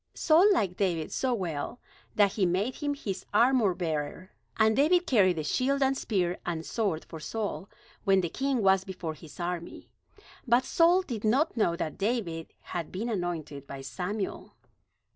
Saul liked David so well that he made him his armorbearer; and David carried the shield and spear, and sword for Saul, when the king was before his army. But Saul did not know that David had been anointed by Samuel.